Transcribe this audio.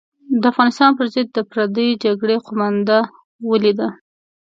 د افغانستان پر ضد د پردۍ جګړې قومانده ولیده.